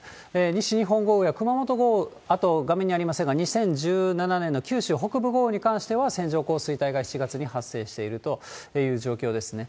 西日本豪雨や熊本豪雨、あと、画面にありませんが、２０１７年の九州北部豪雨に関しても、線状降水帯が７月に発生しているという状況ですね。